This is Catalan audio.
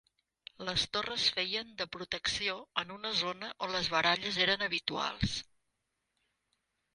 Les torres feien de protecció en una zona on les baralles eren habituals.